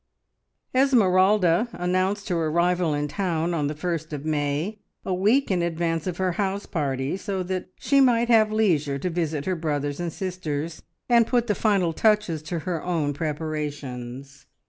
Esmeralda announced her arrival in town on the first of May, a week in advance of her house party, so that she might have leisure to visit her brothers and sisters, and put the final touches to her own preparations.